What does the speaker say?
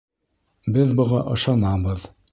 Беҙ быға ышанабыҙ.